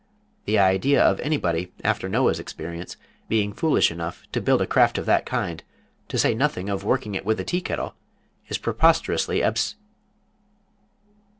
The idea of anybody, after Noah's experience, being foolish enough to build a craft of that kind, to say nothing of working it with a tea kettle, is preposterously abs